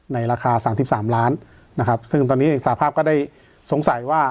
ในราคาสามสิบสามล้านนะครับซึ่งตอนนี้สาภาพก็ได้สงสัยว่า